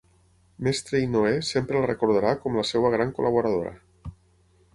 Mestre i Noè sempre la recordarà com la seua gran col·laboradora.